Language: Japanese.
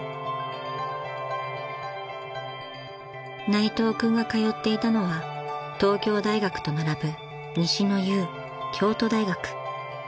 ［内藤君が通っていたのは東京大学と並ぶ西の雄京都大学］